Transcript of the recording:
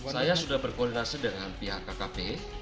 saya sudah berkoordinasi dengan pihak kkp